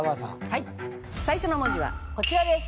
最初の文字はこちらです。